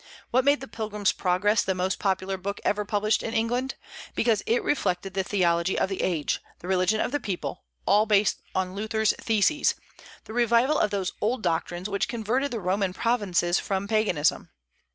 What made "The Pilgrim's Progress" the most popular book ever published in England? Because it reflected the theology of the age, the religion of the people, all based on Luther's theses, the revival of those old doctrines which converted the Roman provinces from Paganism.